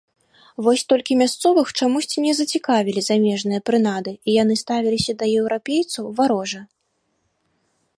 Вось толькі мясцовых чамусьці не зацікавілі замежныя прынады і яны ставіліся да еўрапейцаў варожа.